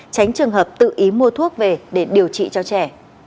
tránh trường hợp tự ý mua thuốc về để điều trị cho trẻ